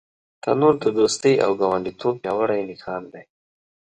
تنور د دوستۍ او ګاونډیتوب پیاوړی نښان دی